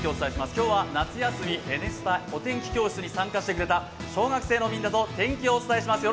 今日は夏休み、「Ｎスタ」お天気教室に参加してくれた小学生のみんなと天気をお伝えします。